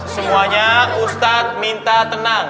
semuanya ustadz minta tenang